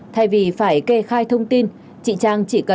thay vì phải kê khai thông tin chị trang chỉ cần đăng ký thuê bao mới